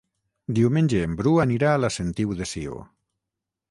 Diumenge en Bru anirà a la Sentiu de Sió.